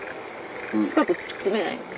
深く突き詰めないの？